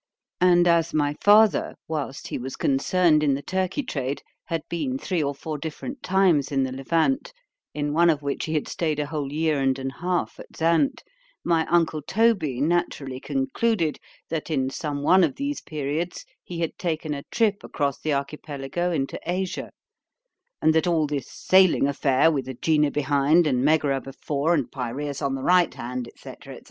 —And as my father, whilst he was concerned in the Turkey trade, had been three or four different times in the Levant, in one of which he had stayed a whole year and an half at Zant, my uncle Toby naturally concluded, that, in some one of these periods, he had taken a trip across the Archipelago into Asia; and that all this sailing affair with Ægina behind, and Megara before, and Pyræus on the right hand, &c. &c.